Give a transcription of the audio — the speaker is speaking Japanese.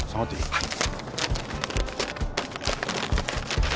はい。